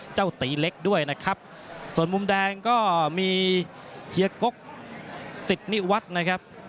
เจ้าตีเล็กด้วยนะครับส่วนมุมแดงก็มีเฮียโก๊คสิดนิวัตรนะครับ